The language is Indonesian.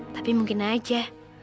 tapi mungkin aja